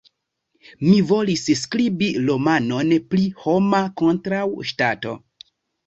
Mi volis skribi romanon pri Homo kontraŭ Ŝtato.